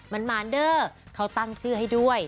มันมานเดอร์เขาตั้งชื่อให้ด้วย